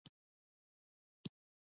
مصنوعي ځیرکتیا د ناروغانو پاملرنه ښه کوي.